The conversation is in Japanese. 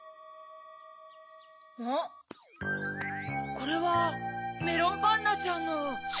これはメロンパンナちゃんの。